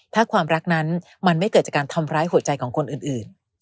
ถ้าความรักนั้นมันไม่เกิดจากการทำร้ายหัวใจของคนอื่น